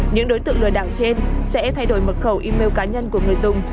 những đối tượng lừa đảo trên sẽ thay đổi mật khẩu email cá nhân của người dùng